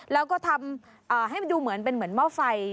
แล้วก็ทำให้ดูเหมือนหม้อไฟ